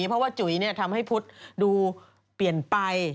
เพราะว่าจุ๋ยทำให้พุทธดูเปลี่ยนไป